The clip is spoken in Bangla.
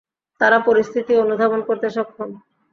তারা পরিস্থিতি অনুধাবন করতে সক্ষম।